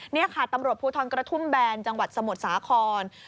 นี่ค่ะตำรวจภูทรกระทุ่มแบนจังหวัดสมุทรสาคร